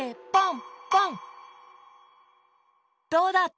どうだった？